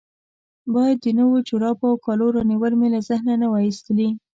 باید د نویو جرابو او کالو رانیول مې له ذهنه نه وای ایستلي.